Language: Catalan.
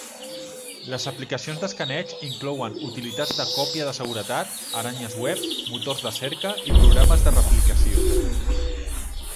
Les aplicacions d'escaneig inclouen utilitats de còpia de seguretat, aranyes web, motors de cerca i programes de replicació.